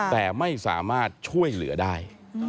แต่ไม่สามารถช่วยเหลือได้